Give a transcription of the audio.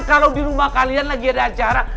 kalau di rumah kalian lagi ada acara